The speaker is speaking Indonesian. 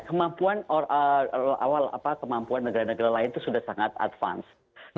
kemampuan awal kemampuan negara negara lain itu sudah sangat advance